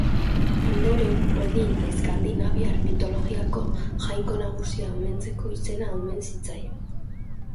Ondoren Odin, eskandinaviar mitologiako jainko nagusia omentzeko izena eman zitzaion.